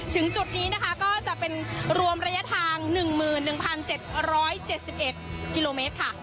จุดนี้นะคะก็จะเป็นรวมระยะทาง๑๑๗๗๑กิโลเมตรค่ะ